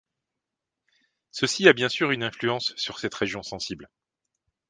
Ceci a bien sûr une influence sur cette région sensible.